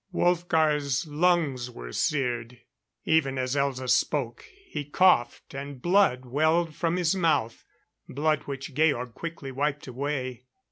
Wolfgar's lungs were seared; even as Elza spoke, he coughed, and blood welled from his mouth blood which Georg quickly wiped away.